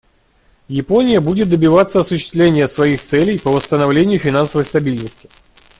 Япония будет добиваться осуществления своих целей по восстановлению финансовой стабильности.